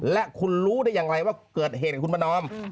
และคุณรู้ได้อย่างไรว่าเกิดเหตุกับคุณประนอม